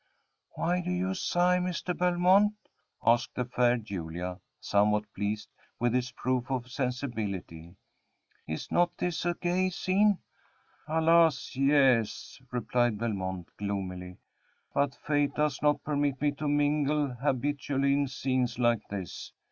"Why do you sigh, Mr. Belmont?" asked the fair Julia, somewhat pleased with this proof of sensibility. "Is not this a gay scene?" "Alas! yes," replied Belmont, gloomily; "but fate does not permit me to mingle habitually in scenes like this.